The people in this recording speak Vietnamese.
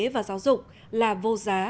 và giáo dục là vô giá